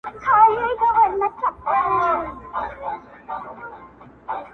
اقبال بهلول مروت